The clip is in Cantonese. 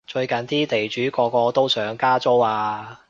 最近啲地主個個都想加租啊